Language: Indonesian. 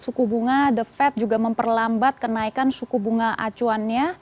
suku bunga the fed juga memperlambat kenaikan suku bunga acuannya